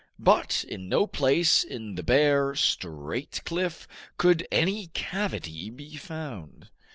But in no place in the bare, straight cliff, could any cavity be found.